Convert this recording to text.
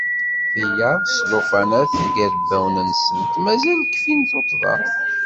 Tiyaḍ s lufanat deg yirebbawen-nsent mazal kfin tuṭḍa.